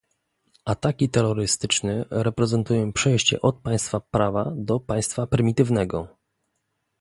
Ataki terrorystyczne reprezentują przejście od państwa prawa do państwa prymitywnego